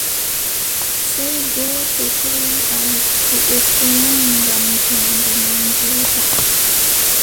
Sey gooto fuu wiʼa luttuɓe ko wanyi ngam joonde meen juuta.